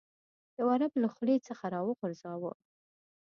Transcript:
یو عرب له خولې څخه راوغورځاوه.